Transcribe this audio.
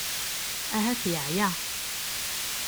Ahat yeɛya.